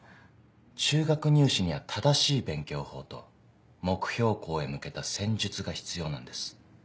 中学入試には正しい勉強法と目標校へ向けた戦術が必要なんです。